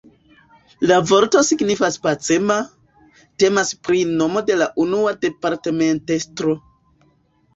La vorto signifas pacema, temas pri nomo de la unua departementestro.